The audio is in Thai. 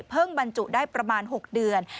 บรรจุได้ประมาณ๖เดือน